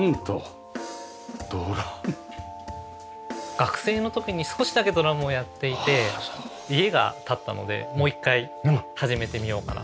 学生の時に少しだけドラムをやっていて家が建ったのでもう１回始めてみようかなと。